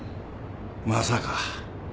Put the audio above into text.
まさか。